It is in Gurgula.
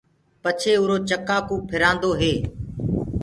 پڇي اُرو چڪآ ڪوُ ڦِرآندو هي۔